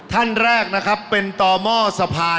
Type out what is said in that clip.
ท่านแรกนะครับเป็นต่อหม้อสะพาน